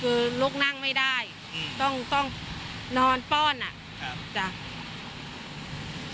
คือลุกนั่งไม่ได้อืมต้องต้องนอนป้อนอ่ะครับจ้ะ